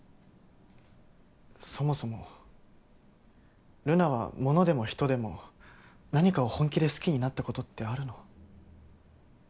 そもそも留奈は物でも人でも何かを本気で好きになったことってあるの？